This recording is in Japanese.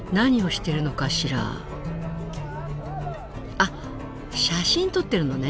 あっ写真撮ってるのね。